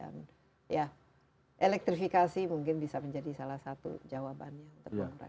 dan ya elektrifikasi mungkin bisa menjadi salah satu jawabannya